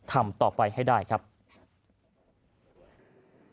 พลเอกเปรยุจจันทร์โอชานายกรัฐมนตรีพลเอกเปรยุจจันทร์โอชานายกรัฐมนตรี